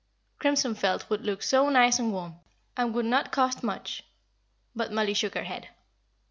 Crimson felt would look so nice and warm, and would not cost much." But Mollie shook her head.